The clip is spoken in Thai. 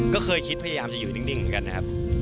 ก็เคยคิดพยายามจะอยู่นิ่งเหมือนกันนะครับ